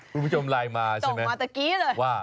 คุณผู้ชมไลน์มาใช่ไหมต้องมาตะกี้เลย